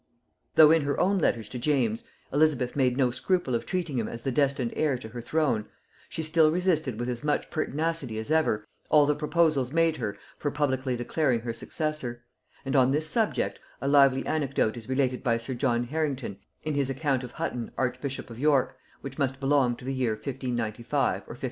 ] Though in her own letters to James, Elizabeth made no scruple of treating him as the destined heir to her throne, she still resisted with as much pertinacity as ever, all the proposals made her for publicly declaring her successor; and on this subject, a lively anecdote is related by sir John Harrington in his account of Hutton archbishop of York, which must belong to the year 1595 or 1596.